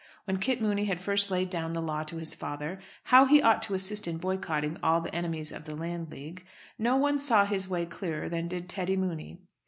When Kit Mooney had first laid down the law to his father, how he ought to assist in boycotting all the enemies of the Landleague, no one saw his way clearer than did Teddy Mooney.